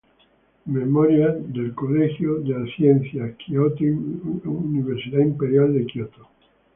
Memoirs of the College of Science, Kyoto Imperial University.